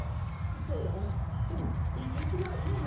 そうだなうん１にちぐらいいいよな。